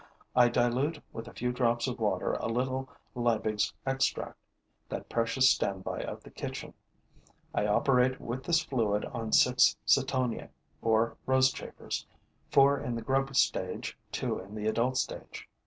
I dilute with a few drops of water a little Liebig's extract, that precious standby of the kitchen. I operate with this fluid on six Cetoniae or rosechafers, four in the grub stage, two in the adult stage.